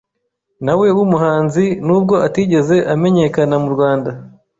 nawe w’umuhanzi nubwo atigeze amenyekana mu Rwanda